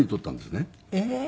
ええー！